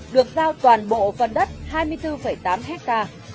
được giao toàn bộ phần đất hai mươi bốn tám hectare